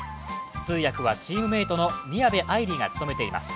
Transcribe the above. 通訳はチームメートの宮部藍梨がつとめています。